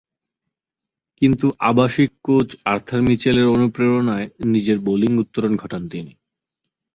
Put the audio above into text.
কিন্তু আবাসিক coach Arthur মিচেলের অনুপ্রেরণায় নিজের বোলিং উত্তরণ ঘটান তিনি।